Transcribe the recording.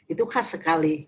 itu khas sekali